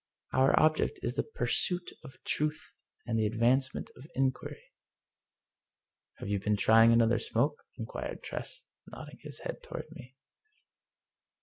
Our object is the Pursuit of Truth and the Advancement of Inquiry." " Have you been trying another smoke ?" inquired Tress, nodding his head toward me.